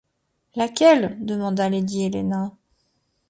Laquelle ? demanda lady Helena.